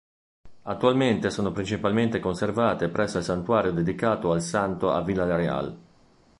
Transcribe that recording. Attualmente sono principalmente conservate presso il santuario dedicato al santo a Villarreal.